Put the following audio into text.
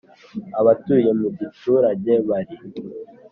Abatuye mu giturage bari